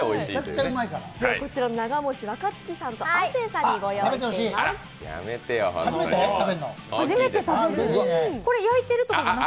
こちらの長餅、若槻さんと亜生さんに御用意しています。